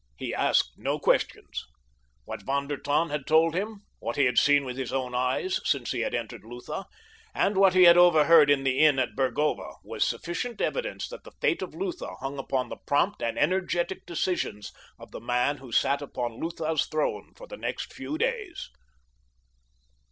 He asked no questions. What Von der Tann had told him, what he had seen with his own eyes since he had entered Lutha, and what he had overheard in the inn at Burgova was sufficient evidence that the fate of Lutha hung upon the prompt and energetic decisions of the man who sat upon Lutha's throne for the next few days.